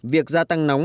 việc gia tăng nóng